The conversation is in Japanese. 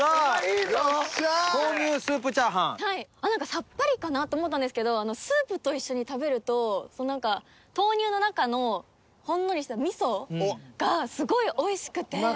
何かさっぱりかなと思ったんですけどスープと一緒に食べると何か豆乳の中のほんのりした味噌がすごいおいしくて。